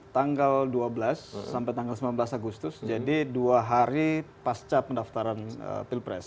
tanggal dua belas sampai tanggal sembilan belas agustus jadi dua hari pasca pendaftaran pilpres